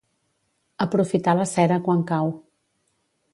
Aprofitar la cera quan cau.